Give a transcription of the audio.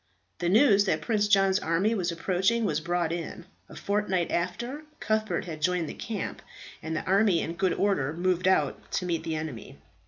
The news that Prince John's army was approaching was brought in, a fortnight after Cuthbert had joined the camp, and the army in good order moved out to meet the enemy.